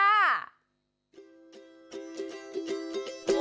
ว้าว